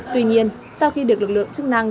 tuy nhiên sau khi được lực lượng chức năng